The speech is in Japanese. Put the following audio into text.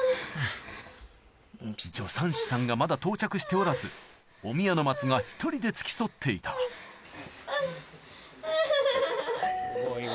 助産師さんがまだ到着しておらずお宮の松が１人で付き添っていたうぅうぅ。